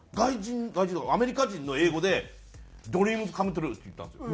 外国人っていうかアメリカ人の英語で「ドリームズカムトゥルー」って言ったんですよ。